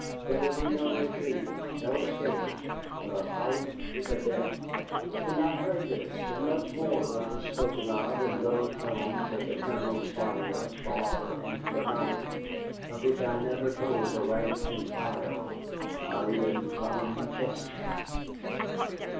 There would be no retreat, no escape, but a fight to the death. And I heard this, and much more that was spoken of in low tones at the Colonel's fire far into the night, of which I never told the rank and file, not even Tom McChesney.